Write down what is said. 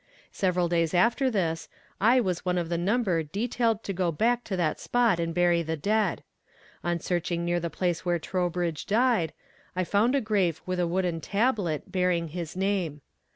Several days after this, I was one of the number detailed to go back to that spot and bury the dead. On searching near the place where Trowbridge died, I found a grave with a wooden tablet, bearing his name.